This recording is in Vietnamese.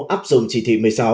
áp dụng chỉ thị một mươi sáu